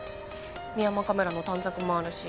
ミヤマカメラの短冊もあるし。